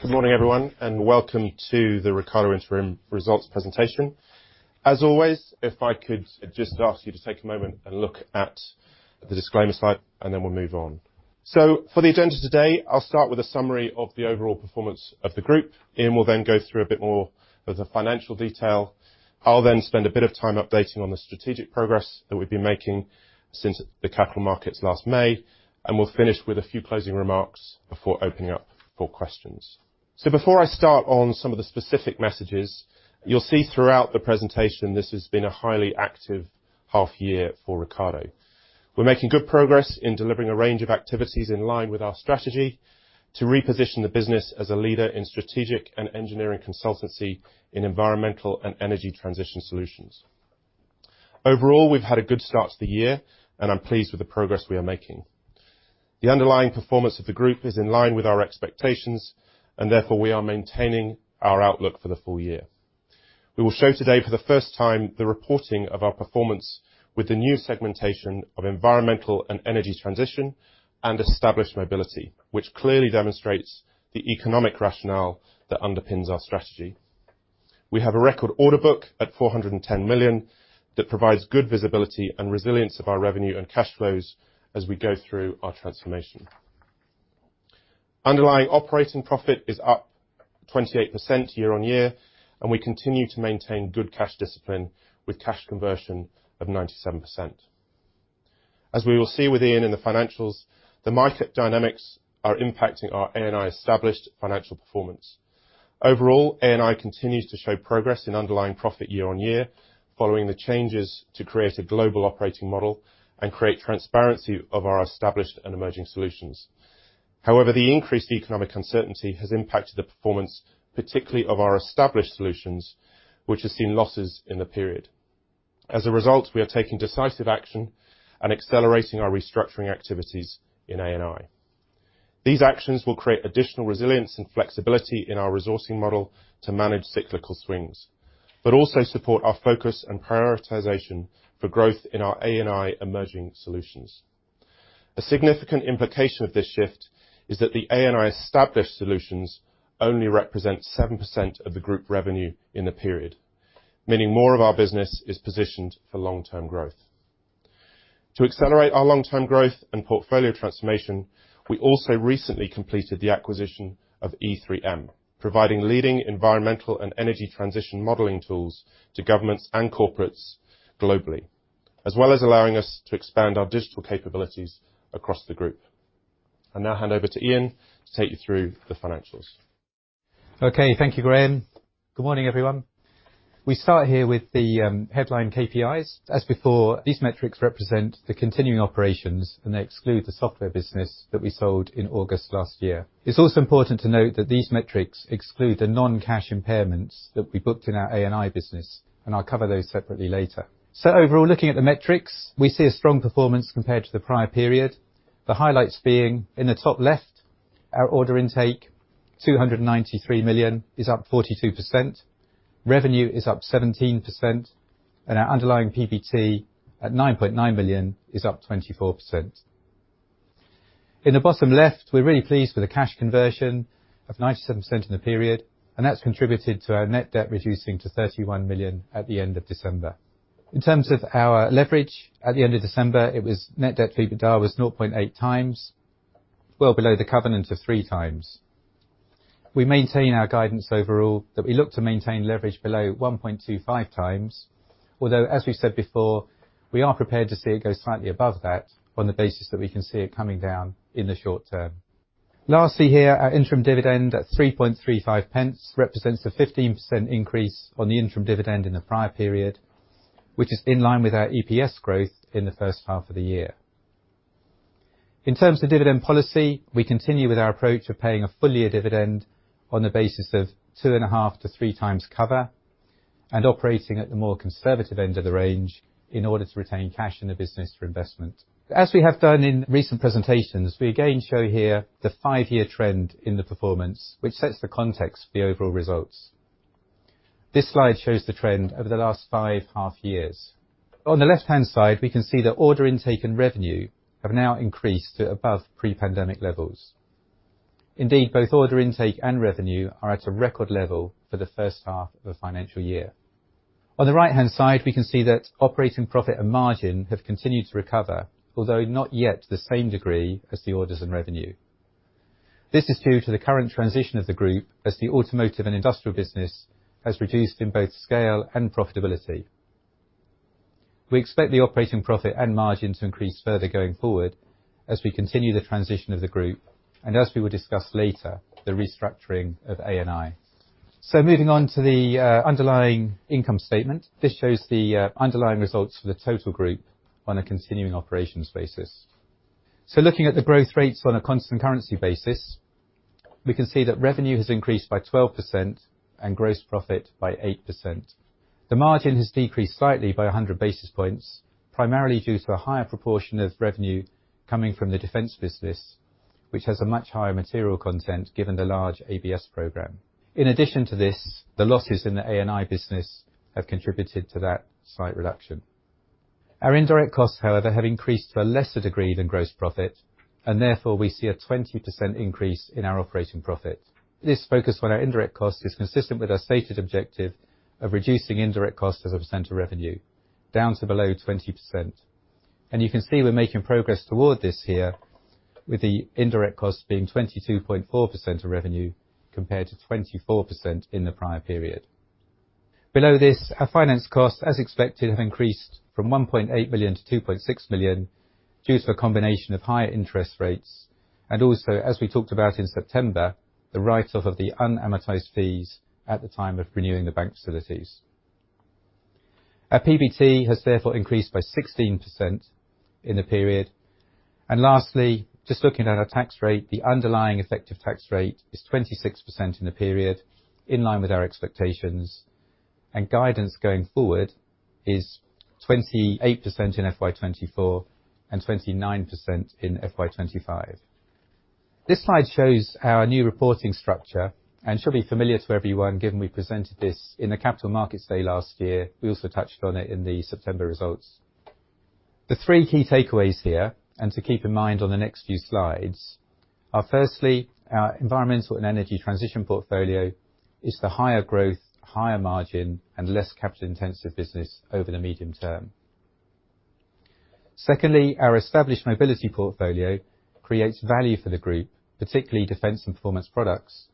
Good morning, everyone, and welcome to the Ricardo Interim Results presentation. As always, if I could just ask you to take a moment and look at the disclaimer slide, and then we'll move on. For the agenda today, I'll start with a summary of the overall performance of the group. Ian will then go through a bit more of the financial detail. I'll then spend a bit of time updating on the strategic progress that we've been making since the Capital Markets last May, and we'll finish with a few closing remarks before opening up for questions. Before I start on some of the specific messages, you'll see throughout the presentation this has been a highly active half year for Ricardo. We're making good progress in delivering a range of activities in line with our strategy to reposition the business as a leader in strategic and engineering consultancy in environmental and energy transition solutions. Overall, we've had a good start to the year, and I'm pleased with the progress we are making. The underlying performance of the group is in line with our expectations, and therefore, we are maintaining our outlook for the full year. We will show today, for the first time, the reporting of our performance with the new segmentation of environmental and energy transition and established mobility, which clearly demonstrates the economic rationale that underpins our strategy. We have a record order book at 410 million that provides good visibility and resilience of our revenue and cash flows as we go through our transformation. Underlying operating profit is up 28% year-on-year. We continue to maintain good cash discipline with cash conversion of 97%. As we will see with Ian in the financials, the market dynamics are impacting our A&I established financial performance. Overall, A&I continues to show progress in underlying profit year-on-year following the changes to create a global operating model and create transparency of our established and emerging solutions. The increased economic uncertainty has impacted the performance, particularly of our established solutions, which has seen losses in the period. We are taking decisive action and accelerating our restructuring activities in A&I. These actions will create additional resilience and flexibility in our resourcing model to manage cyclical swings, but also support our focus and prioritization for growth in our A&I emerging solutions. A significant implication of this shift is that the A&I established solutions only represent 7% of the group revenue in the period, meaning more of our business is positioned for long-term growth. To accelerate our long-term growth and portfolio transformation, we also recently completed the acquisition of E3M, providing leading environmental and energy transition modeling tools to governments and corporates globally, as well as allowing us to expand our digital capabilities across the group. I'll now hand over to Ian to take you through the financials. Okay. Thank you, Graeme. Good morning, everyone. We start here with the headline KPIs. As before, these metrics represent the continuing operations, and they exclude the software business that we sold in August last year. It's also important to note that these metrics exclude the non-cash impairments that we booked in our A&I business, and I'll cover those separately later. Overall, looking at the metrics, we see a strong performance compared to the prior period. The highlights being in the top left, our order intake, 293 million, is up 42%. Revenue is up 17%, and our underlying PBT at 9.9 million is up 24%. In the bottom left, we're really pleased with the cash conversion of 97% in the period, and that's contributed to our net debt reducing to 31 million at the end of December. In terms of our leverage, at the end of December, it was net debt 0.8x, well below the covenant of 3x. We maintain our guidance overall that we look to maintain leverage below 1.25x. As we said before, we are prepared to see it go slightly above that on the basis that we can see it coming down in the short term. Lastly here, our interim dividend at 3.35 pence represents a 15% increase on the interim dividend in the prior period, which is in line with our EPS growth in the first half of the year. In terms of dividend policy, we continue with our approach of paying a full-year dividend on the basis of 2.5x-3x cover and operating at the more conservative end of the range in order to retain cash in the business for investment. As we have done in recent presentations, we again show here the five-year trend in the performance, which sets the context for the overall results. This slide shows the trend over the last 5.5 Years. On the left-hand side, we can see that order intake and revenue have now increased to above pre-pandemic levels. Both order intake and revenue are at a record level for the first half of the financial year. On the right-hand side, we can see that operating profit and margin have continued to recover, although not yet to the same degree as the orders and revenue. This is due to the current transition of the group as the automotive and industrial business has reduced in both scale and profitability. We expect the operating profit and margin to increase further going forward as we continue the transition of the group and, as we will discuss later, the restructuring of A&I. Moving on to the underlying income statement. This shows the underlying results for the total group on a continuing operations basis. Looking at the growth rates on a constant currency basis, we can see that revenue has increased by 12% and gross profit by 8%. The margin has decreased slightly by 100 basis points, primarily due to a higher proportion of revenue coming from the defense business, which has a much higher material content given the large ABS program. In addition to this, the losses in the A&I business have contributed to that slight reduction. Our indirect costs, however, have increased to a lesser degree than gross profit, and therefore we see a 20% increase in our operating profit. This focus on our indirect cost is consistent with our stated objective of reducing indirect costs as a percent of revenue down to below 20%. You can see we're making progress toward this here, with the indirect cost being 22.4% of revenue compared to 24% in the prior period. Below this, our finance costs, as expected, have increased from 1.8 million-2.6 million due to a combination of higher interest rates and also, as we talked about in September, the write-off of the unamortized fees at the time of renewing the bank facilities. Our PBT has therefore increased by 16% in the period. Lastly, just looking at our tax rate, the underlying effective tax rate is 26% in the period in line with our expectations. Guidance going forward is 28% in FY 2024 and 29% in FY 2025. This slide shows our new reporting structure and should be familiar to everyone given we presented this in the Capital Markets Day last year. We also touched on it in the September results. The three key takeaways here, and to keep in mind on the next few slides are firstly, our environmental and energy transition portfolio is the higher growth, higher margin, and less capital-intensive business over the medium term. Secondly, our established mobility portfolio creates value for the group, particularly Defense and Performance Products,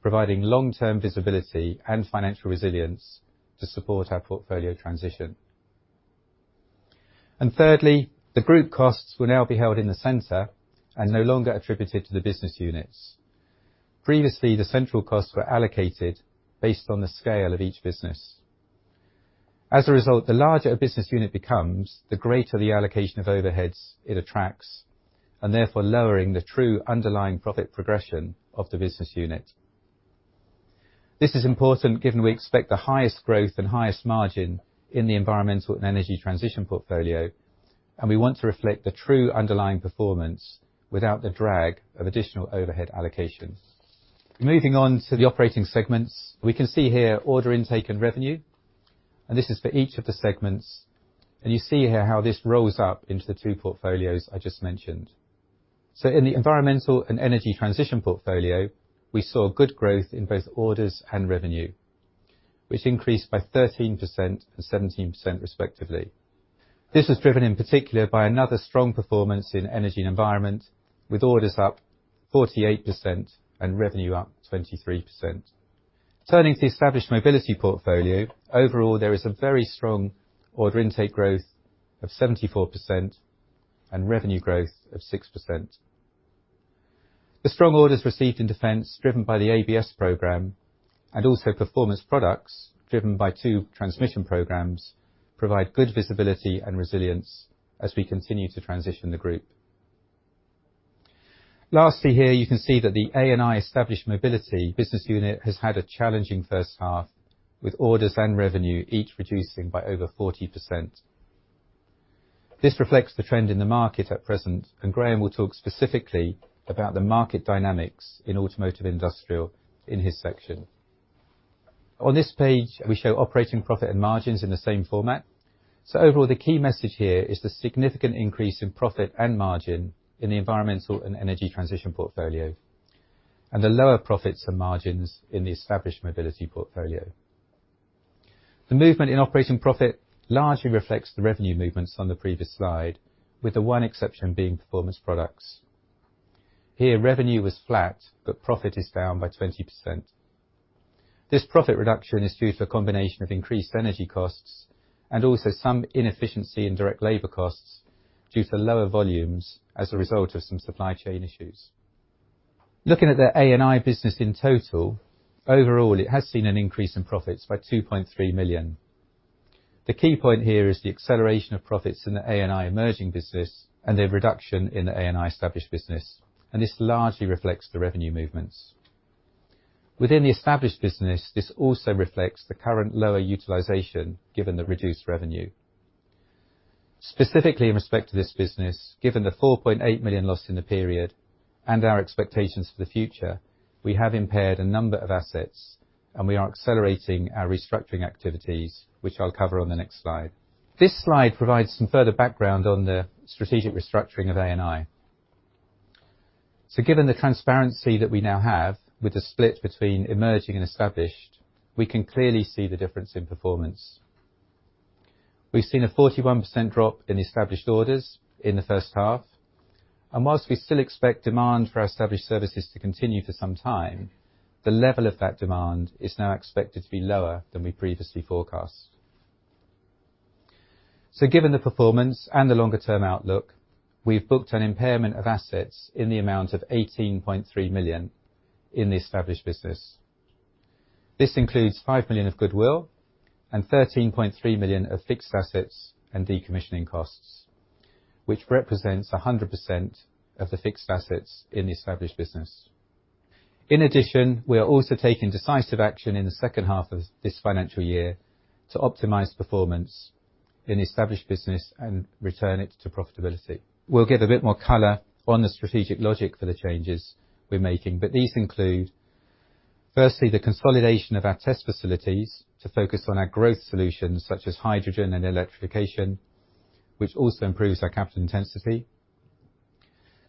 providing long-term visibility and financial resilience to support our portfolio transition. Thirdly, the group costs will now be held in the center and no longer attributed to the business units. Previously, the central costs were allocated based on the scale of each business. As a result, the larger a business unit becomes, the greater the allocation of overheads it attracts, and therefore lowering the true underlying profit progression of the business unit. This is important given we expect the highest growth and highest margin in the environmental and energy transition portfolio, and we want to reflect the true underlying performance without the drag of additional overhead allocations. Moving on to the operating segments, we can see here order intake and revenue, and this is for each of the segments. You see here how this rolls up into the two portfolios I just mentioned. In the environmental and energy transition portfolio, we saw good growth in both orders and revenue, which increased by 13% and 17% respectively. This was driven in particular by another strong performance in energy and environment, with orders up 48% and revenue up 23%. Turning to the established mobility portfolio, overall there is a very strong order intake growth of 74% and revenue growth of 6%. The strong orders received in defense, driven by the ABS program and also Performance Products driven by two transmission programs, provide good visibility and resilience as we continue to transition the group. Lastly, here you can see that the A&I established mobility business unit has had a challenging first half, with orders and revenue each reducing by over 40%. This reflects the trend in the market at present. Graeme will talk specifically about the market dynamics in automotive industrial in his section. On this page, we show operating profit and margins in the same format. Overall, the key message here is the significant increase in profit and margin in the environmental and energy transition portfolio, and the lower profits and margins in the established mobility portfolio. The movement in operating profit largely reflects the revenue movements on the previous slide, with the one exception being Performance Products. Here, revenue was flat, but profit is down by 20%. This profit reduction is due to a combination of increased energy costs and also some inefficiency in direct labor costs due to lower volumes as a result of some supply chain issues. Looking at the A&I business in total, overall, it has seen an increase in profits by 2.3 million. The key point here is the acceleration of profits in the A&I emerging business and a reduction in the A&I established business. This largely reflects the revenue movements. Within the established business, this also reflects the current lower utilization given the reduced revenue. Specifically in respect to this business, given the 4.8 million loss in the period and our expectations for the future, we have impaired a number of assets and we are accelerating our restructuring activities, which I'll cover on the next slide. This slide provides some further background on the strategic restructuring of A&I. Given the transparency that we now have with the split between emerging and established, we can clearly see the difference in performance. We've seen a 41% drop in established orders in the first half, whilst we still expect demand for our established services to continue for some time, the level of that demand is now expected to be lower than we previously forecast. Given the performance and the longer-term outlook, we've booked an impairment of assets in the amount of 18.3 million in the established business. This includes 5 million of goodwill and 13.3 million of fixed assets and decommissioning costs, which represents 100% of the fixed assets in the established business. In addition, we are also taking decisive action in the second half of this financial year to optimize performance in established business and return it to profitability. We'll give a bit more color on the strategic logic for the changes we're making. These include. Firstly, the consolidation of our test facilities to focus on our growth solutions such as hydrogen and electrification, which also improves our capital intensity.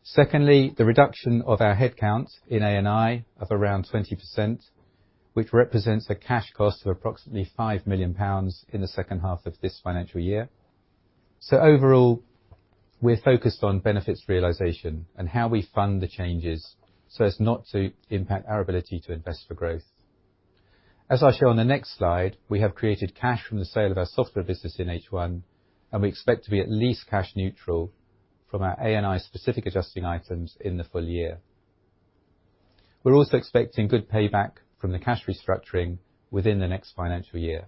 Secondly, the reduction of our headcount in A&I of around 20%, which represents a cash cost of approximately 5 million pounds in the second half of this financial year. Overall, we're focused on benefits realization and how we fund the changes so as not to impact our ability to invest for growth. As I show on the next slide, we have created cash from the sale of our software business in H1, and we expect to be at least cash neutral from our A&I specific adjusting items in the full year. We're also expecting good payback from the cash restructuring within the next financial year.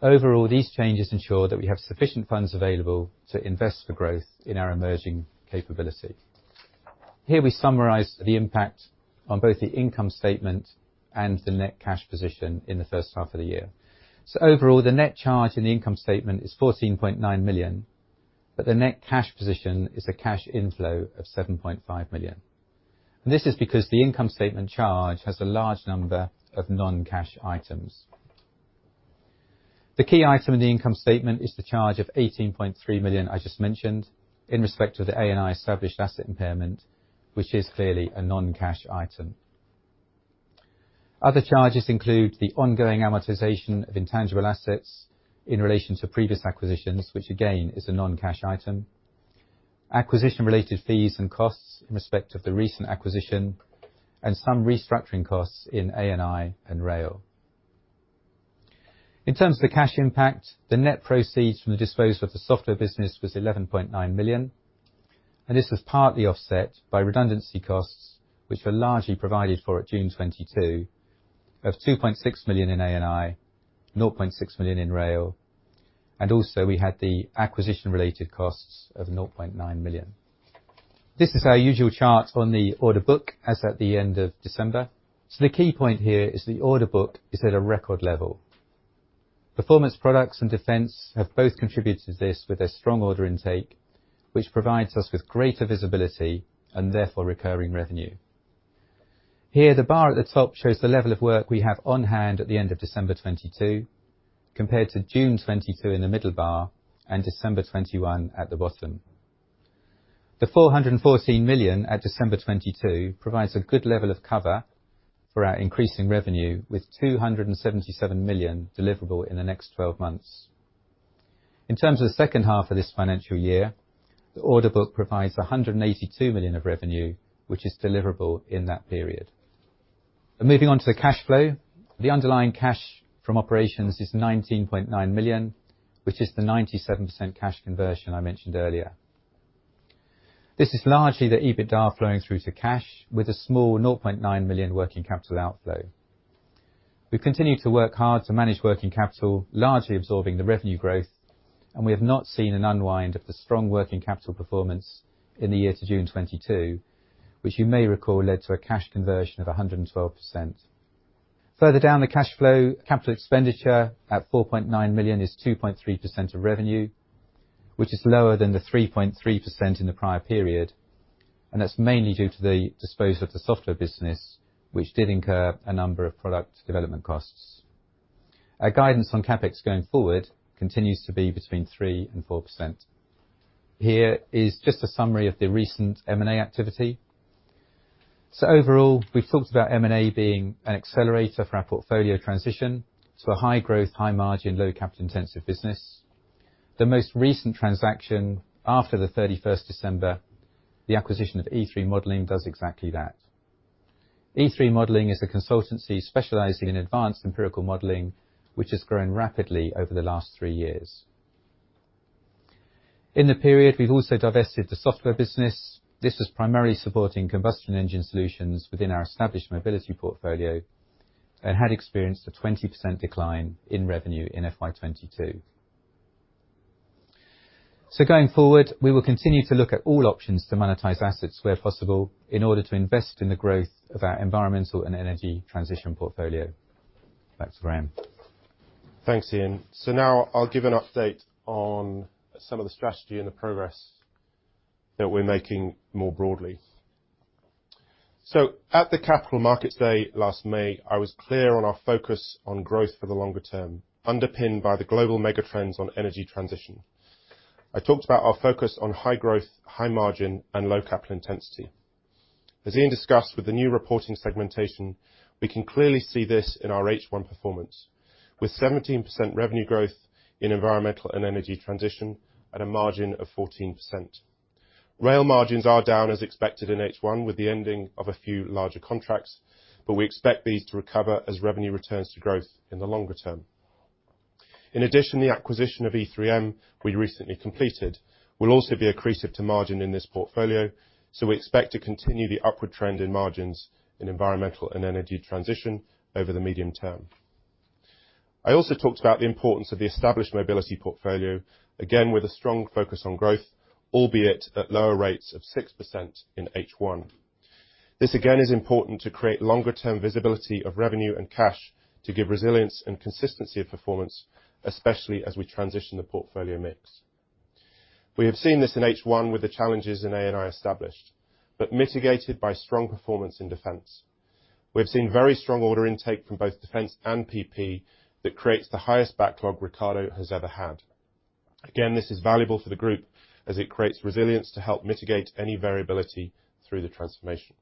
Overall, these changes ensure that we have sufficient funds available to invest for growth in our emerging capability. Here we summarize the impact on both the income statement and the net cash position in the first half of the year. Overall, the net charge in the income statement is 14.9 million, but the net cash position is a cash inflow of 7.5 million. This is because the income statement charge has a large number of non-cash items. The key item in the income statement is the charge of 18.3 million I just mentioned in respect to the A&I established asset impairment, which is clearly a non-cash item. Other charges include the ongoing amortization of intangible assets in relation to previous acquisitions, which again, is a non-cash item, acquisition related fees and costs in respect of the recent acquisition, and some restructuring costs in A&I and rail. In terms of the cash impact, the net proceeds from the disposal of the software business was 11.9 million, and this was partly offset by redundancy costs, which were largely provided for at June 2022, of 2.6 million in A&I, 0.6 million in rail, and also we had the acquisition related costs of 0.9 million. This is our usual chart on the order book as at the end of December. The key point here is the order book is at a record level. Performance Products and defense have both contributed to this with a strong order intake, which provides us with greater visibility and therefore recurring revenue. Here, the bar at the top shows the level of work we have on hand at the end of December 2022, compared to June 2022 in the middle bar and December 2021 at the bottom. The 414 million at December 2022 provides a good level of cover for our increasing revenue with 277 million deliverable in the next 12 months. In terms of the second half of this financial year, the order book provides 182 million of revenue, which is deliverable in that period. Moving on to the cash flow. The underlying cash from operations is 19.9 million, which is the 97% cash conversion I mentioned earlier. This is largely the EBITDA flowing through to cash with a small 0.9 million working capital outflow. We continue to work hard to manage working capital, largely absorbing the revenue growth. We have not seen an unwind of the strong working capital performance in the year to June 2022, which you may recall led to a cash conversion of 112%. Further down the cash flow, capital expenditure at 4.9 million is 2.3% of revenue, which is lower than the 3.3% in the prior period. That's mainly due to the disposal of the software business, which did incur a number of product development costs. Our guidance on CapEx going forward continues to be between 3%-4%. Here is just a summary of the recent M&A activity. Overall, we've talked about M&A being an accelerator for our portfolio transition to a high growth, high margin, low capital intensive business. The most recent transaction after the 31st December, the acquisition of E3-Modelling, does exactly that. E3-Modelling is a consultancy specializing in advanced empirical modeling, which has grown rapidly over the last three years. In the period, we've also divested the software business. This is primarily supporting combustion engine solutions within our established mobility portfolio and had experienced a 20% decline in revenue in FY 2022. Going forward, we will continue to look at all options to monetize assets where possible in order to invest in the growth of our environmental and energy transition portfolio. Back to Graeme. Thanks, Ian. Now I'll give an update on some of the strategy and the progress that we're making more broadly. At the Capital Markets Day last May, I was clear on our focus on growth for the longer term, underpinned by the global mega trends on energy transition. I talked about our focus on high growth, high margin, and low capital intensity. As Ian discussed with the new reporting segmentation, we can clearly see this in our H1 performance, with 17% revenue growth in environmental and energy transition at a margin of 14%. Rail margins are down as expected in H1 with the ending of a few larger contracts, we expect these to recover as revenue returns to growth in the longer term. The acquisition of E3M we recently completed will also be accretive to margin in this portfolio. We expect to continue the upward trend in margins in environmental and energy transition over the medium term. I also talked about the importance of the established mobility portfolio, again, with a strong focus on growth, albeit at lower rates of 6% in H1. This, again, is important to create longer term visibility of revenue and cash to give resilience and consistency of performance, especially as we transition the portfolio mix. We have seen this in H1 with the challenges in A&I Established, mitigated by strong performance in Defense. We have seen very strong order intake from both Defense and PP that creates the highest backlog Ricardo has ever had. This is valuable for the group as it creates resilience to help mitigate any variability through the transformation.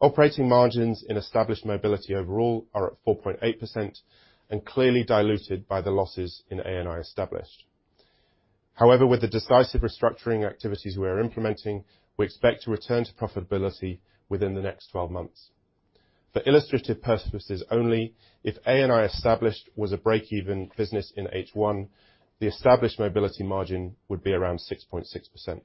Operating margins in Established Mobility overall are at 4.8% and clearly diluted by the losses in A&I Established. However, with the decisive restructuring activities we are implementing, we expect to return to profitability within the next 12 months. For illustrative purposes only, if A&I Established was a break-even business in H1, the Established Mobility margin would be around 6.6%.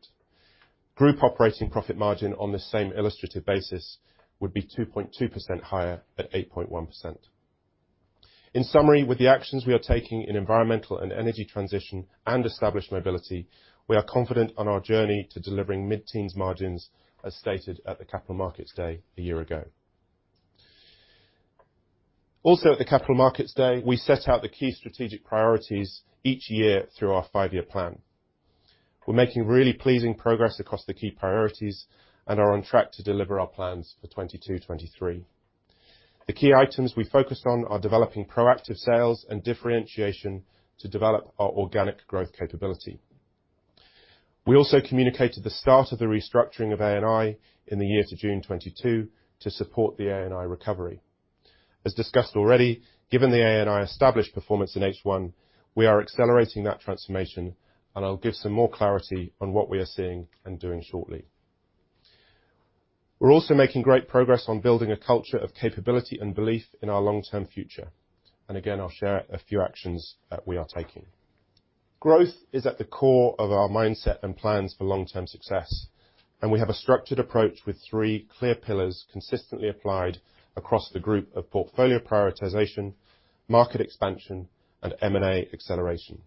Group operating profit margin on this same illustrative basis would be 2.2% higher at 8.1%. In summary, with the actions we are taking in Environmental and Energy Transition and Established Mobility, we are confident on our journey to delivering mid-teens margins as stated at the Capital Markets Day a year ago. At the Capital Markets Day, we set out the key strategic priorities each year through our five-year plan. We're making really pleasing progress across the key priorities and are on track to deliver our plans for 2022, 2023. The key items we focused on are developing proactive sales and differentiation to develop our organic growth capability. We also communicated the start of the restructuring of A&I in the year to June 2022 to support the A&I recovery. As discussed already, given the A&I Established performance in H1, we are accelerating that transformation, and I'll give some more clarity on what we are seeing and doing shortly. We're also making great progress on building a culture of capability and belief in our long-term future, and again, I'll share a few actions that we are taking. Growth is at the core of our mindset and plans for long-term success, and we have a structured approach with three clear pillars consistently applied across the group of portfolio prioritization, market expansion, and M&A acceleration.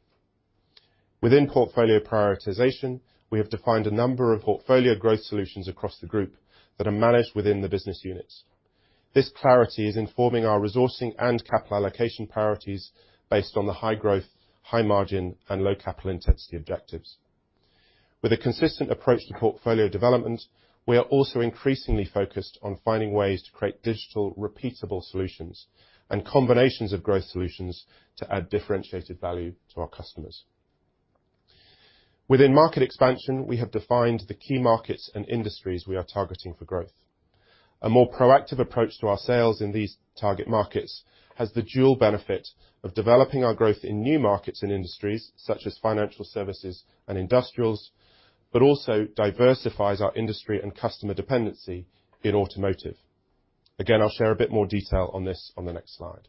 Within portfolio prioritization, we have defined a number of portfolio growth solutions across the group that are managed within the business units. This clarity is informing our resourcing and capital allocation priorities based on the high growth, high margin, and low capital intensity objectives. With a consistent approach to portfolio development, we are also increasingly focused on finding ways to create digital repeatable solutions and combinations of growth solutions to add differentiated value to our customers. Within market expansion, we have defined the key markets and industries we are targeting for growth. A more proactive approach to our sales in these target markets has the dual benefit of developing our growth in new markets and industries such as financial services and industrials, but also diversifies our industry and customer dependency in automotive. I'll share a bit more detail on this on the next slide.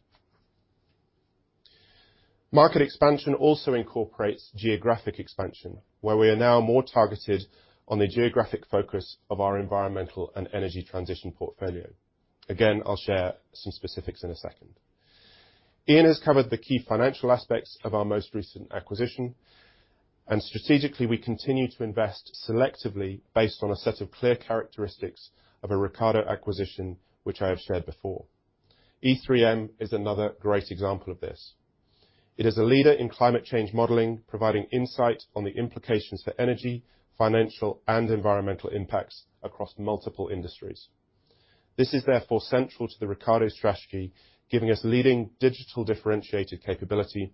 Market expansion also incorporates geographic expansion, where we are now more targeted on the geographic focus of our environmental and energy transition portfolio. I'll share some specifics in a second. Ian has covered the key financial aspects of our most recent acquisition, and strategically, we continue to invest selectively based on a set of clear characteristics of a Ricardo acquisition, which I have shared before. E3M is another great example of this. It is a leader in climate change modeling, providing insight on the implications for energy, financial, and environmental impacts across multiple industries. This is therefore central to the Ricardo strategy, giving us leading digital differentiated capability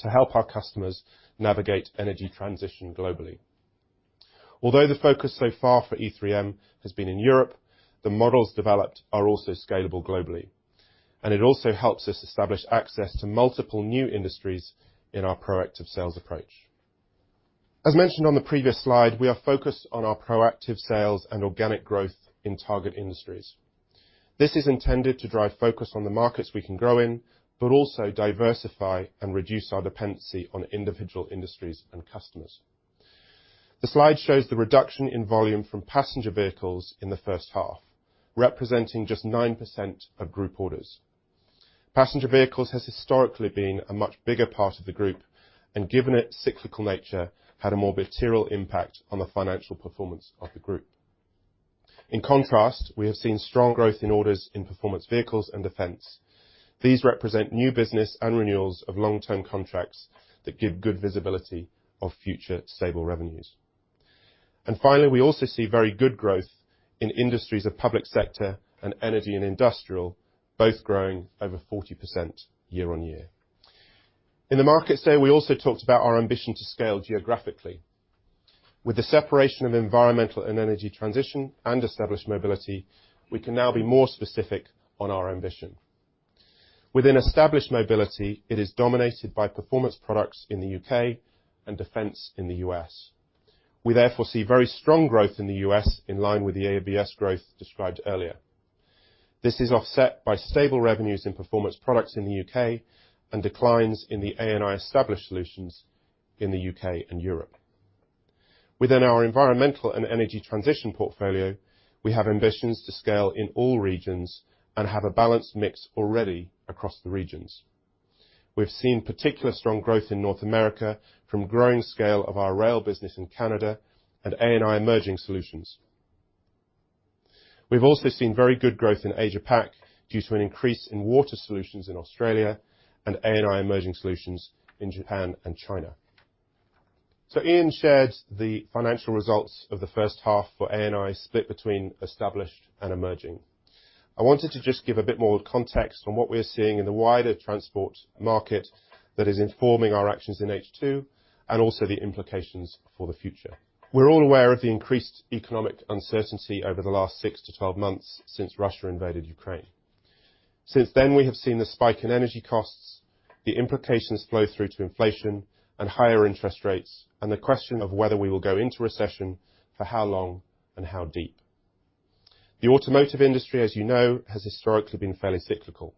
to help our customers navigate energy transition globally. Although the focus so far for E3M has been in Europe, the models developed are also scalable globally, and it also helps us establish access to multiple new industries in our proactive sales approach. As mentioned on the previous slide, we are focused on our proactive sales and organic growth in target industries. This is intended to drive focus on the markets we can grow in, but also diversify and reduce our dependency on individual industries and customers. The slide shows the reduction in volume from passenger vehicles in the first half, representing just 9% of group orders. Passenger vehicles has historically been a much bigger part of the group, and given its cyclical nature, had a more material impact on the financial performance of the group. In contrast, we have seen strong growth in orders in performance vehicles and defense. These represent new business and renewals of long-term contracts that give good visibility of future stable revenues. Finally, we also see very good growth in industries of public sector and energy and industrial, both growing over 40% year-on-year. In the Capital Markets Day, we also talked about our ambition to scale geographically. With the separation of environmental and energy transition and established mobility, we can now be more specific on our ambition. Within Established Mobility, it is dominated by Performance Products in the U.K. and defense in the U.S. We therefore see very strong growth in the U.S. in line with the ABS program described earlier. This is offset by stable revenues in Performance Products in the U.K. and declines in the A&I Established solutions in the U.K. and Europe. Within our environmental and energy transition portfolio, we have ambitions to scale in all regions and have a balanced mix already across the regions. We've seen particular strong growth in North America from growing scale of our rail business in Canada and A&I Emerging Solutions. We've also seen very good growth in AsiaPac due to an increase in water solutions in Australia and A&I emerging solutions in Japan and China. Ian shared the financial results of the first half for A&I split between established and emerging. I wanted to just give a bit more context on what we're seeing in the wider transport market that is informing our actions in H2, and also the implications for the future. We're all aware of the increased economic uncertainty over the last 6-12 months since Russia invaded Ukraine. Since then, we have seen the spike in energy costs, the implications flow through to inflation and higher interest rates, and the question of whether we will go into recession, for how long and how deep. The automotive industry, as you know, has historically been fairly cyclical.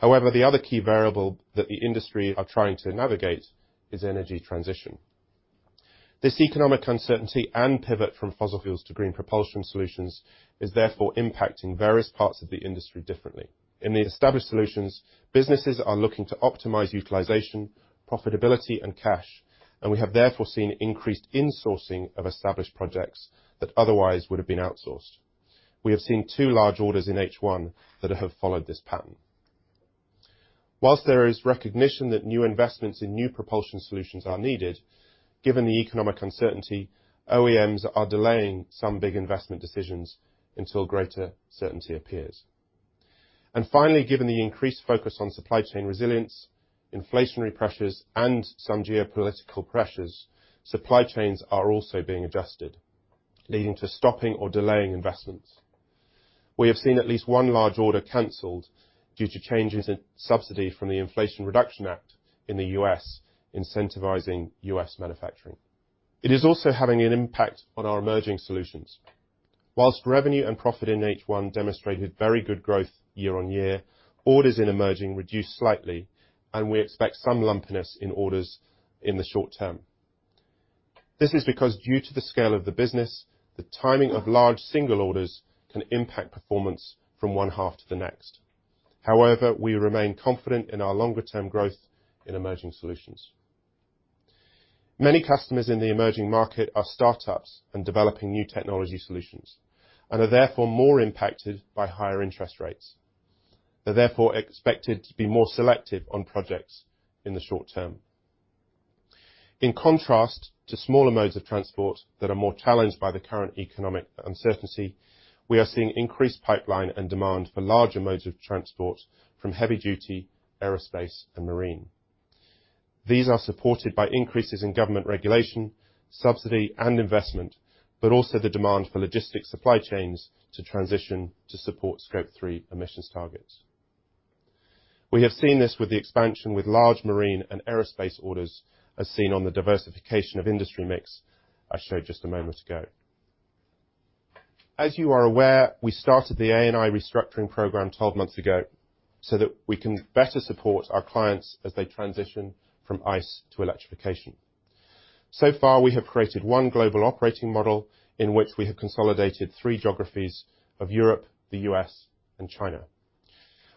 However, the other key variable that the industry are trying to navigate is energy transition. This economic uncertainty and pivot from fossil fuels to green propulsion solutions is therefore impacting various parts of the industry differently. In the established solutions, businesses are looking to optimize utilization, profitability, and cash, and we have therefore seen increased insourcing of established projects that otherwise would have been outsourced. We have seen two large orders in H1 that have followed this pattern. Whilst there is recognition that new investments in new propulsion solutions are needed, given the economic uncertainty, OEMs are delaying some big investment decisions until greater certainty appears. Finally, given the increased focus on supply chain resilience, inflationary pressures, and some geopolitical pressures, supply chains are also being adjusted, leading to stopping or delaying investments. We have seen at least one large order canceled due to changes in subsidy from the Inflation Reduction Act in the U.S., incentivizing U.S. manufacturing. It is also having an impact on our emerging solutions. Whilst revenue and profit in H1 demonstrated very good growth year-on-year, orders in emerging reduced slightly, and we expect some lumpiness in orders in the short term. This is because due to the scale of the business, the timing of large single orders can impact performance from one half to the next. We remain confident in our longer-term growth in emerging solutions. Many customers in the emerging market are startups and developing new technology solutions, and are therefore more impacted by higher interest rates. They're therefore expected to be more selective on projects in the short term. In contrast to smaller modes of transport that are more challenged by the current economic uncertainty, we are seeing increased pipeline and demand for larger modes of transport from heavy duty aerospace and marine. These are supported by increases in government regulation, subsidy, and investment, but also the demand for logistics supply chains to transition to support Scope 3 emissions targets. We have seen this with the expansion with large marine and aerospace orders as seen on the diversification of industry mix I showed just a moment ago. You are aware, we started the A&I restructuring program 12 months ago so that we can better support our clients as they transition from ICE to electrification. Far, we have created one global operating model in which we have consolidated three geographies of Europe, the U.S., and China.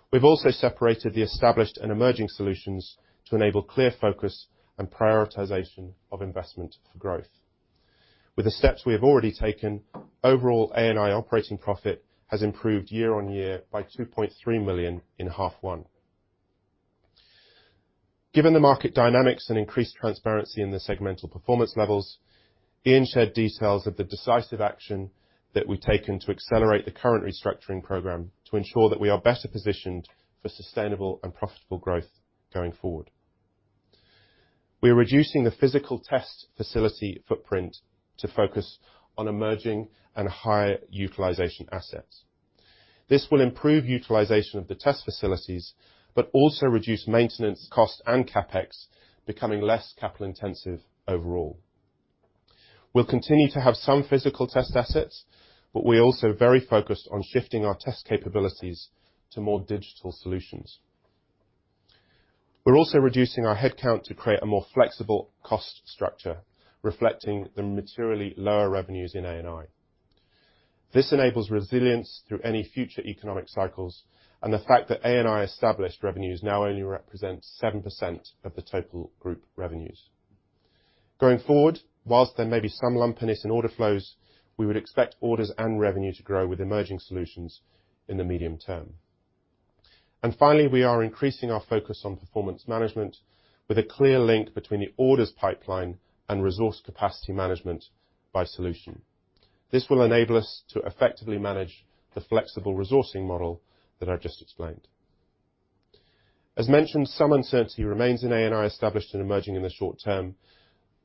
We've also separated the established and emerging solutions to enable clear focus and prioritization of investment for growth. With the steps we have already taken, overall A&I operating profit has improved year-on-year by GBP 2.3 million in H1. Given the market dynamics and increased transparency in the segmental performance levels, Ian shared details of the decisive action that we've taken to accelerate the current restructuring program to ensure that we are better positioned for sustainable and profitable growth going forward. We're reducing the physical test facility footprint to focus on emerging and higher utilization assets. This will improve utilization of the test facilities, but also reduce maintenance cost and CapEx, becoming less capital intensive overall. We'll continue to have some physical test assets, but we're also very focused on shifting our test capabilities to more digital solutions. We're also reducing our headcount to create a more flexible cost structure reflecting the materially lower revenues in A&I. This enables resilience through any future economic cycles and the fact that A&I established revenues now only represent 7% of the total group revenues. Going forward, whilst there may be some lumpiness in order flows, we would expect orders and revenue to grow with emerging solutions in the medium term. Finally, we are increasing our focus on performance management with a clear link between the orders pipeline and resource capacity management by solution. This will enable us to effectively manage the flexible resourcing model that I just explained. As mentioned, some uncertainty remains in A&I established and emerging in the short term,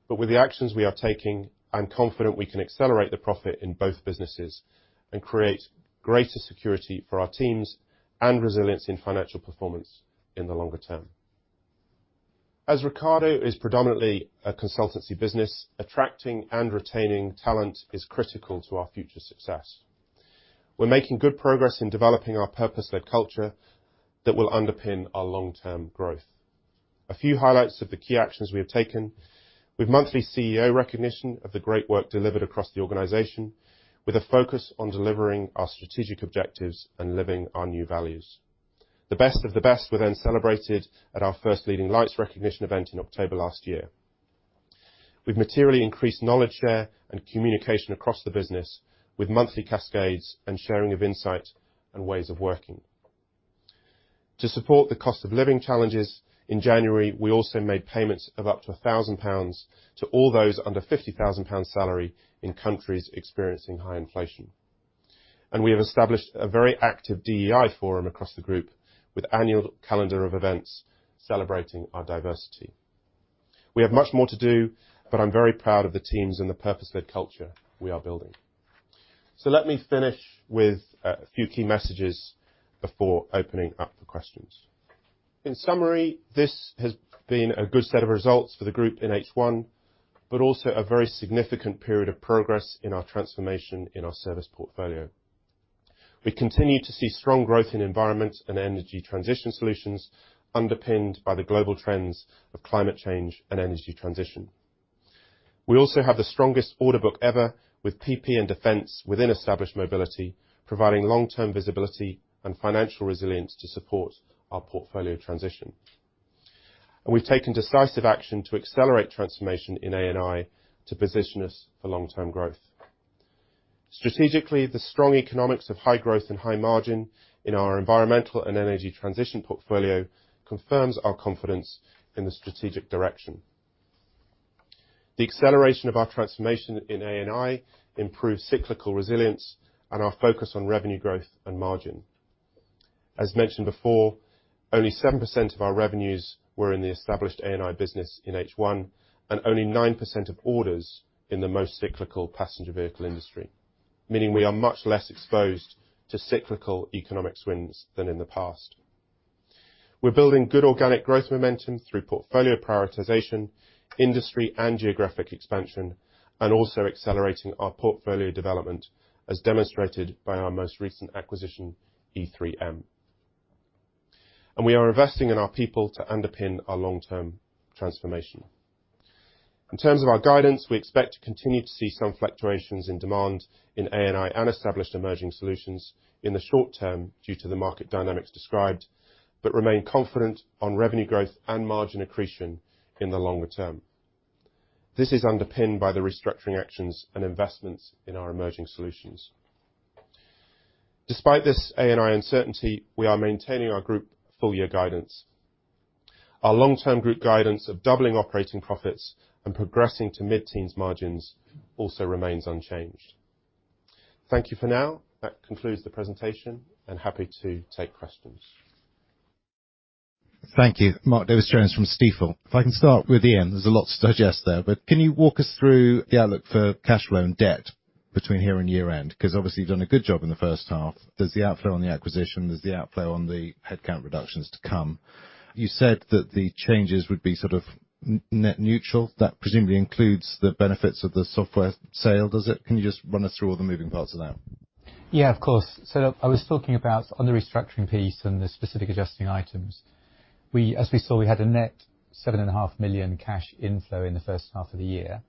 but with the actions we are taking, I'm confident we can accelerate the profit in both businesses and create greater security for our teams and resilience in financial performance in the longer term. As Ricardo is predominantly a consultancy business, attracting and retaining talent is critical to our future success. We're making good progress in developing our purpose-led culture that will underpin our long-term growth. A few highlights of the key actions we have taken with monthly CEO recognition of the great work delivered across the organization with a focus on delivering our strategic objectives and living our new values. The best of the best were celebrated at our first Leading Lights recognition event in October last year. We've materially increased knowledge share and communication across the business with monthly cascades and sharing of insight and ways of working. To support the cost of living challenges, in January, we also made payments of up to 1,000 pounds to all those under 50,000 pounds salary in countries experiencing high inflation. We have established a very active DEI forum across the group with annual calendar of events celebrating our diversity. We have much more to do, but I'm very proud of the teams and the purpose-led culture we are building. Let me finish with a few key messages before opening up for questions. In summary, this has been a good set of results for the group in H1, but also a very significant period of progress in our transformation in our service portfolio. We continue to see strong growth in environment and energy transition solutions underpinned by the global trends of climate change and energy transition. We also have the strongest order book ever with PP and Defense within established mobility, providing long-term visibility and financial resilience to support our portfolio transition. We've taken decisive action to accelerate transformation in A&I to position us for long-term growth. Strategically, the strong economics of high growth and high margin in our environmental and energy transition portfolio confirms our confidence in the strategic direction. The acceleration of our transformation in A&I improves cyclical resilience and our focus on revenue growth and margin. As mentioned before, only 7% of our revenues were in the established A&I business in H1, and only 9% of orders in the most cyclical passenger vehicle industry, meaning we are much less exposed to cyclical economic swings than in the past. We're building good organic growth momentum through portfolio prioritization, industry and geographic expansion, also accelerating our portfolio development, as demonstrated by our most recent acquisition, E3M. We are investing in our people to underpin our long-term transformation. In terms of our guidance, we expect to continue to see some fluctuations in demand in A&I and established emerging solutions in the short term due to the market dynamics described, but remain confident on revenue growth and margin accretion in the longer term. This is underpinned by the restructuring actions and investments in our emerging solutions. Despite this A&I uncertainty, we are maintaining our group full-year guidance. Our long-term group guidance of doubling operating profits and progressing to mid-teens margins also remains unchanged. Thank you for now. That concludes the presentation. Happy to take questions. Thank you. Mark Davies Jones from Stifel. If I can start with Ian, there's a lot to digest there, can you walk us through the outlook for cash flow and debt between here and year-end? 'Cause obviously, you've done a good job in the first half. There's the outflow on the acquisition. There's the outflow on the headcount reductions to come. You said that the changes would be sort of net neutral. That presumably includes the benefits of the software sale, does it? Can you just run us through all the moving parts of that? Yeah, of course. I was talking about on the restructuring piece and the specific adjusting items. We, as we saw, we had a net 7.5 million cash inflow in the first half of the year.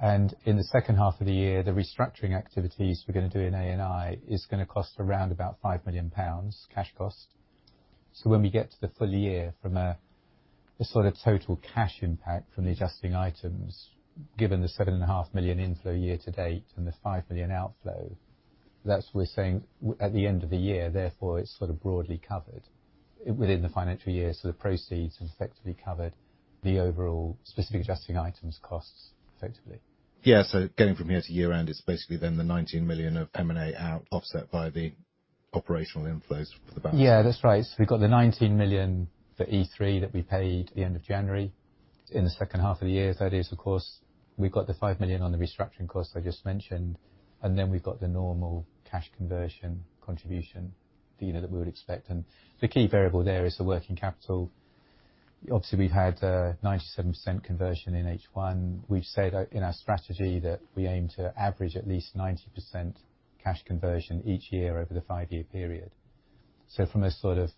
In the second half of the year, the restructuring activities we're gonna do in A&I is gonna cost around about 5 million pounds, cash cost. When we get to the full year from a sort of total cash impact from the adjusting items, given the 7.5 million inflow year to date and the 5 million outflow, that's what we're saying, at the end of the year, therefore, it's sort of broadly covered within the financial year. The proceeds have effectively covered the overall specific adjusting items costs effectively. Yeah. Going from here to year-end, it's basically then the 19 million of M&A out offset by the operational inflows for the balance. Yeah, that's right. We've got the 19 million for E3 that we paid at the end of January. In the second half of the year, that is, of course, we've got the 5 million on the restructuring costs I just mentioned, and then we've got the normal cash conversion contribution, you know, that we would expect. The key variable there is the working capital. Obviously, we had a 97% conversion in H1. We've said in our strategy that we aim to average at least 90% cash conversion each year over the five-year period. From a sort of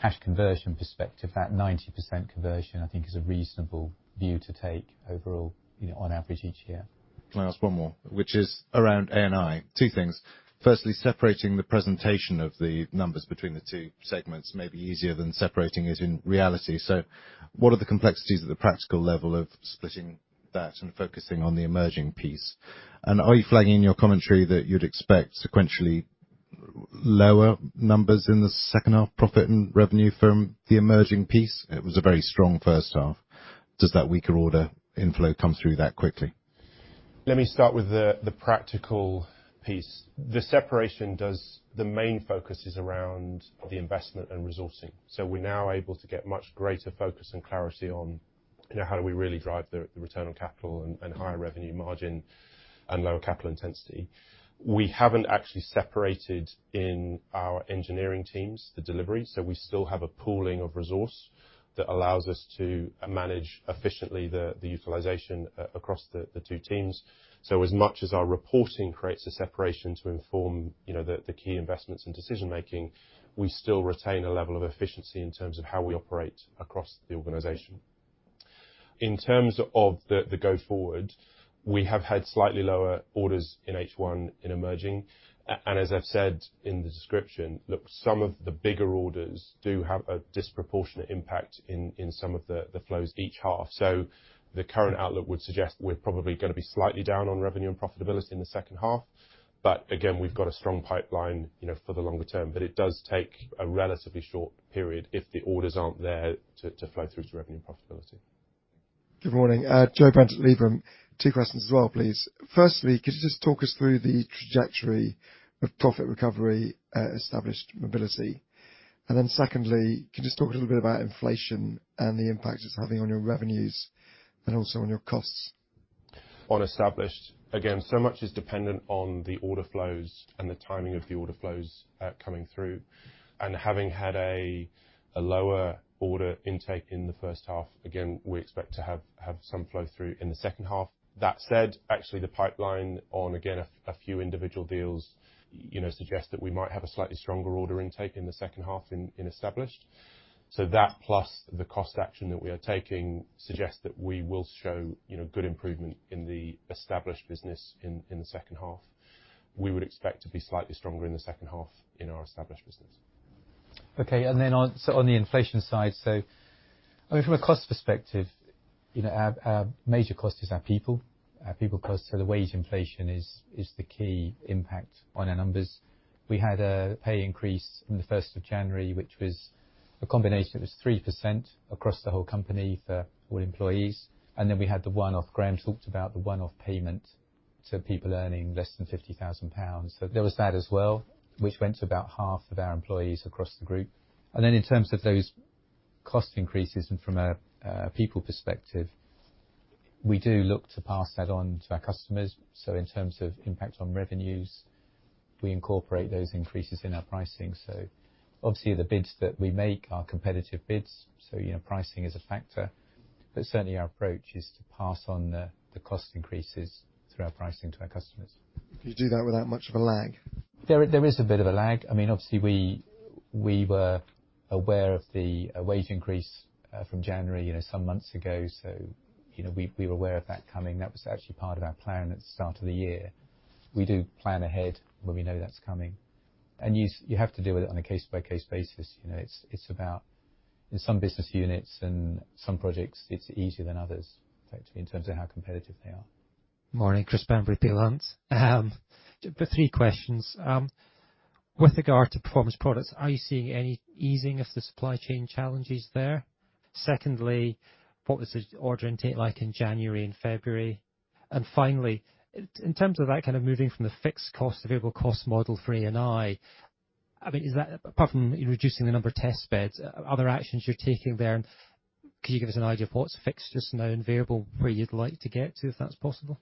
cash conversion perspective, that 90% conversion, I think, is a reasonable view to take overall, you know, on average each year. Can I ask one more, which is around A&I? Two things. Firstly, separating the presentation of the numbers between the two segments may be easier than separating it in reality. What are the complexities at the practical level of splitting that and focusing on the emerging piece? Are you flagging in your commentary that you'd expect sequentially lower numbers in the second half profit and revenue from the emerging piece? It was a very strong first half. Does that weaker order inflow come through that quickly? Let me start with the practical piece. The separation. The main focus is around the investment and resourcing. We're now able to get much greater focus and clarity on, you know, how do we really drive the return on capital and higher revenue margin and lower capital intensity. We haven't actually separated in our engineering teams, the delivery, so we still have a pooling of resource that allows us to manage efficiently the utilization across the two teams. As much as our reporting creates a separation to inform, you know, the key investments and decision-making, we still retain a level of efficiency in terms of how we operate across the organization. In terms of the go forward, we have had slightly lower orders in H1 in Emerging. As I've said in the description, look, some of the bigger orders do have a disproportionate impact in some of the flows each half. The current outlook would suggest we're probably gonna be slightly down on revenue and profitability in the second half. Again, we've got a strong pipeline, you know, for the longer term, but it does take a relatively short period if the orders aren't there to flow through to revenue profitability. Good morning. Joe Brent at Liberum. Two questions as well, please. Firstly, could you just talk us through the trajectory of profit recovery at Established Mobility? Secondly, can you just talk a little bit about inflation and the impact it's having on your revenues and also on your costs? On Established, again, so much is dependent on the order flows and the timing of the order flows coming through. Having had a lower order intake in the first half, again, we expect to have some flow through in the second half. That said, actually the pipeline on, again, a few individual deals, you know, suggest that we might have a slightly stronger order intake in the second half in Established. That plus the cost action that we are taking suggests that we will show, you know, good improvement in the Established business in the second half. We would expect to be slightly stronger in the second half in our Established business. On the inflation side. I mean, from a cost perspective, you know, our major cost is our people, our people cost, so the wage inflation is the key impact on our numbers. We had a pay increase from the 1st of January, which was a combination. It was 3% across the whole company for all employees. We had the one-off Graeme talked about, the one-off payment to people earning less than 50,000 pounds. There was that as well, which went to about half of our employees across the group. In terms of those cost increases and from a people perspective, we do look to pass that on to our customers. In terms of impact on revenues, we incorporate those increases in our pricing. Obviously the bids that we make are competitive bids, so, you know, pricing is a factor. Certainly our approach is to pass on the cost increases through our pricing to our customers. You do that without much of a lag. There is a bit of a lag. I mean, obviously we were aware of the, a wage increase from January, you know, some months ago. You know, we were aware of that coming. That was actually part of our plan at the start of the year. We do plan ahead when we know that's coming. You have to do it on a case-by-case basis. You know, it's about. In some business units and some projects it's easier than others, effectively, in terms of how competitive they are. Morning. Chris Bamberry, Peel Hunt. just but three questions. With regard to Performance Products, are you seeing any easing of the supply chain challenges there? Secondly, what was the order intake like in January and February? Finally, in terms of that kind of moving from the fixed cost to variable cost model for A&I mean, is that apart from reducing the number of test beds, are there actions you're taking there? Could you give us an idea of what's fixed just now and variable, where you'd like to get to, if that's possible?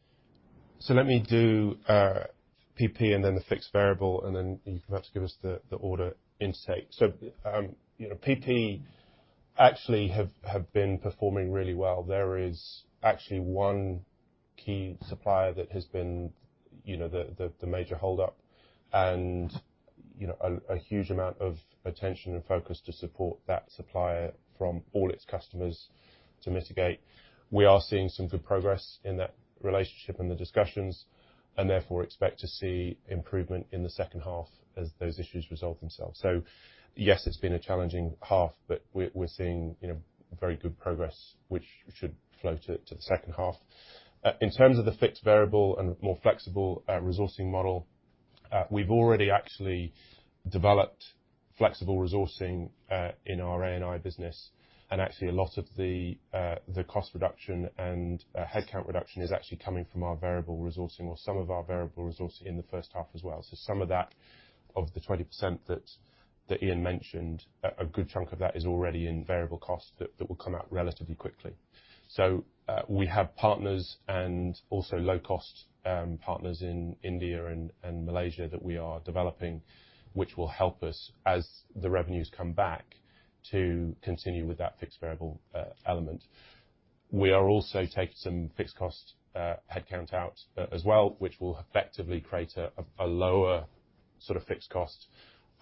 Let me do PP and then the fixed variable, and then you can have to give us the order intake. You know, PP actually have been performing really well. There is actually one key supplier that has been, you know, the major hold up. You know, a huge amount of attention and focus to support that supplier from all its customers to mitigate. We are seeing some good progress in that relationship and the discussions, and therefore expect to see improvement in the second half as those issues resolve themselves. Yes, it's been a challenging half, but we're seeing, you know, very good progress which should flow to the second half. In terms of the fixed variable and more flexible resourcing model, we've already actually developed flexible resourcing in our A&I business. Actually a lot of the cost reduction and headcount reduction is actually coming from our variable resourcing or some of our variable resourcing in the first half as well. Some of that, of the 20% that Ian mentioned, a good chunk of that is already in variable cost that will come out relatively quickly. We have partners and also low-cost partners in India and Malaysia that we are developing, which will help us as the revenues come back to continue with that fixed variable element. We are also taking some fixed cost headcount out as well, which will effectively create a lower sort of fixed cost,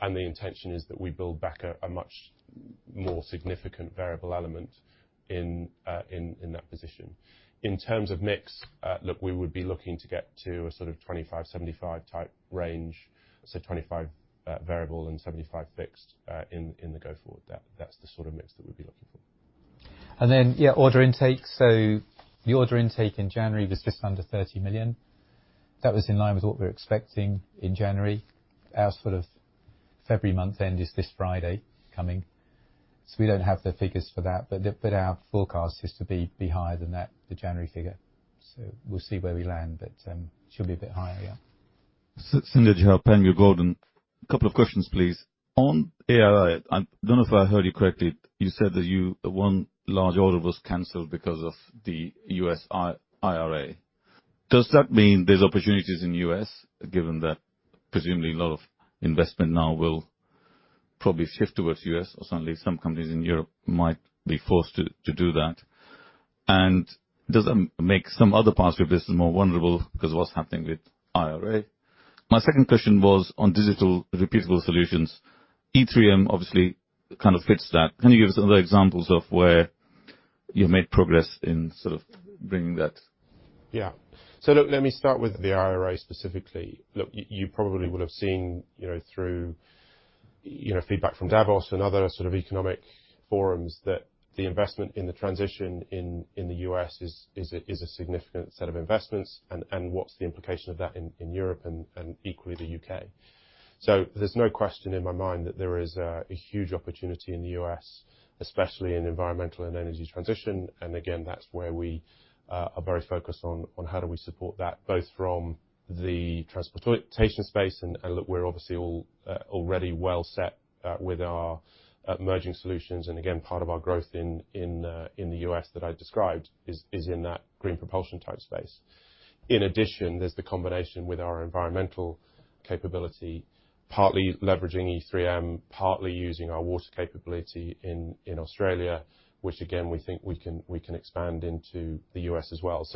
and the intention is that we build back a much more significant variable element in that position. In terms of mix, look, we would be looking to get to a sort of 25, 75 type range, so 25 variable and 75 fixed in the go forward. That's the sort of mix that we'd be looking for. Yeah, order intake. The order intake in January was just under 30 million. That was in line with what we were expecting in January. Our sort of February month end is this Friday coming, so we don't have the figures for that. Our forecast is to be higher than that, the January figure. We'll see where we land, but should be a bit higher, yeah. Sanjay Jha, Panmure Gordon. Couple of questions, please. On AI, I don't know if I heard you correctly, you said that one large order was canceled because of the US IRA. Does that mean there's opportunities in the US, given that presumably a lot of investment now will probably shift towards US, or certainly some companies in Europe might be forced to do that? Does that make some other parts of your business more vulnerable 'cause of what's happening with IRA? My second question was on digital repeatable solutions. E3M obviously kind of fits that. Can you give us other examples of where you made progress in sort of bringing that? Yeah. Let me start with the IRA specifically. Look, you probably would have seen, you know, through, you know, feedback from Davos and other sort of economic forums that the investment in the transition in the U.S. is a significant set of investments and what's the implication of that in Europe and equally the U.K. There's no question in my mind that there is a huge opportunity in the U.S. especially in environmental and energy transition. That's where we are very focused on how do we support that both from the transportation space and look, we're obviously all already well set with our emerging solutions. Part of our growth in the U.S. that I described is in that green propulsion type space. In addition, there's the combination with our environmental capability, partly leveraging E3M, partly using our water capability in Australia, which again, we think we can expand into the US as well.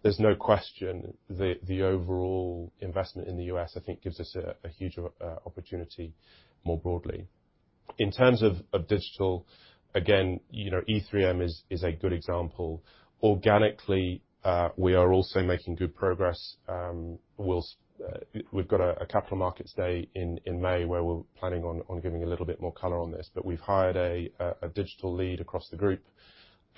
There's no question the overall investment in the US, I think gives us a huge opportunity more broadly. In terms of digital, again, you know, E3M is a good example. Organically, we are also making good progress. We've got a Capital Markets Day in May where we're planning on giving a little bit more color on this, but we've hired a digital lead across the group.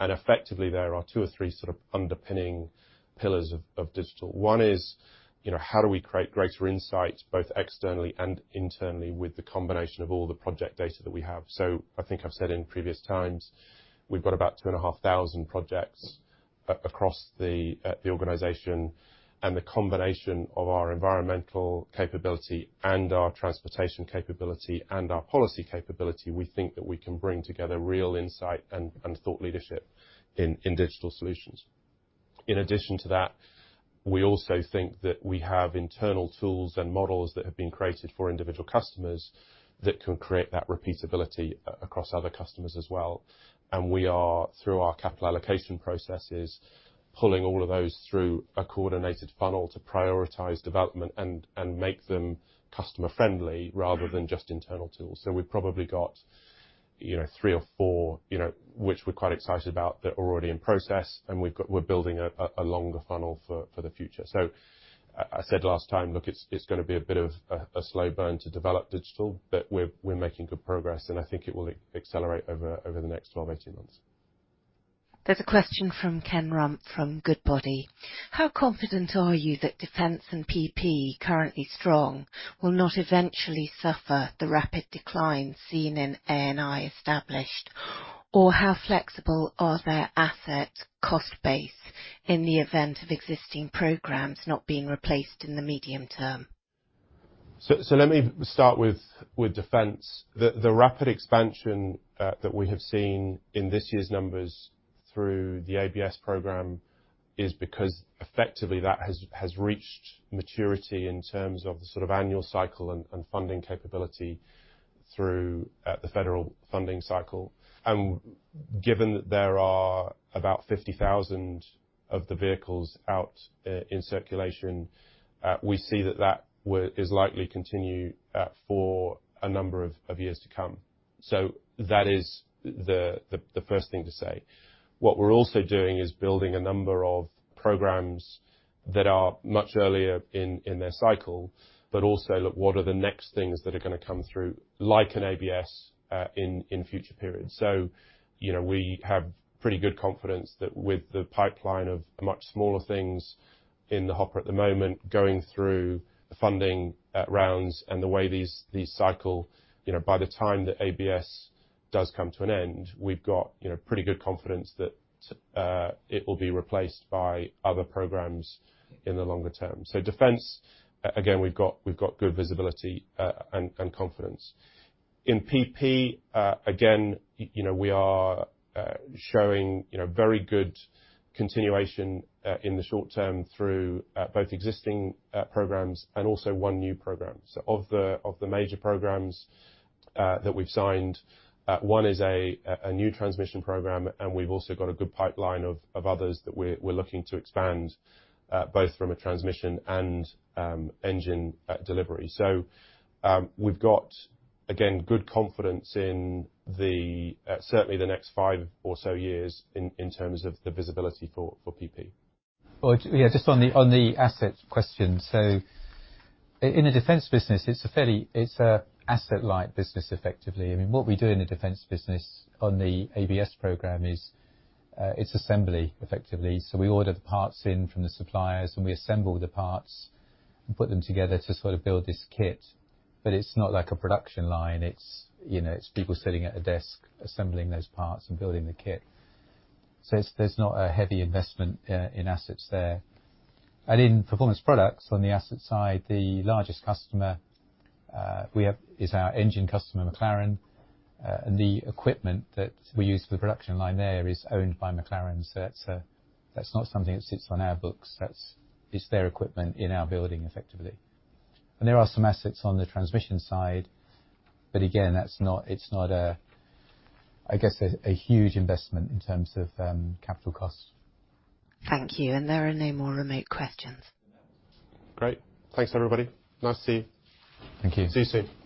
Effectively there are two or three sort of underpinning pillars of digital. One is, you know, how do we create greater insight both externally and internally with the combination of all the project data that we have. I think I've said in previous times, we've got about 2,500 projects across the organization, and the combination of our environmental capability and our transportation capability and our policy capability, we think that we can bring together real insight and thought leadership in digital solutions. In addition to that, we also think that we have internal tools and models that have been created for individual customers that can create that repeatability across other customers as well. We are, through our capital allocation processes, pulling all of those through a coordinated funnel to prioritize development and make them customer friendly rather than just internal tools. We've probably got, you know, three or four, you know, which we're quite excited about that are already in process, and we're building a longer funnel for the future. I said last time, look, it's gonna be a bit of a slow burn to develop digital, but we're making good progress and I think it will accelerate over the next 12, 18 months. There's a question from Kenneth Rumph from Goodbody. How confident are you that defense and PP currently strong will not eventually suffer the rapid decline seen in A&I established? How flexible are their assets cost base in the event of existing programs not being replaced in the medium term? Let me start with defense. The rapid expansion that we have seen in this year's numbers through the ABS program is because effectively that has reached maturity in terms of the sort of annual cycle and funding capability through the federal funding cycle. Given that there are about 50,000 of the vehicles out in circulation, we see that is likely to continue for a number of years to come. That is the first thing to say. What we're also doing is building a number of programs that are much earlier in their cycle, but also look what are the next things that are gonna come through, like an ABS, in future periods. You know, we have pretty good confidence that with the pipeline of much smaller things in the hopper at the moment, going through the funding rounds and the way these cycle, you know, by the time the ABS does come to an end, we've got, you know, pretty good confidence that it will be replaced by other programs in the longer term. Defense again, we've got good visibility and confidence. In PP, again, you know, we are showing, you know, very good continuation in the short term through both existing programs and also one new program. Of the major programs that we've signed, one is a new transmission program. We've also got a good pipeline of others that we're looking to expand both from a transmission and engine delivery. We've got, again, good confidence in the certainly the next five or so years in terms of the visibility for PP. Well, yeah, just on the, on the assets question. In a defense business, it's a asset light business effectively. I mean, what we do in the defense business on the ABS program is, it's assembly effectively. We order the parts in from the suppliers and we assemble the parts and put them together to sort of build this kit. It's not like a production line. It's, you know, it's people sitting at a desk assembling those parts and building the kit. There's not a heavy investment in assets there. In Performance Products on the asset side, the largest customer we have is our engine customer, McLaren. The equipment that we use for the production line there is owned by McLaren. That's not something that sits on our books. That's it's their equipment in our building effectively. There are some assets on the transmission side, but again, that's not it's not a, I guess, a huge investment in terms of capital costs. Thank you. There are no more remote questions. Great. Thanks, everybody. Nice to see you. Thank you. See you soon.